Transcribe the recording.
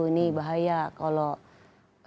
ini bahaya kalau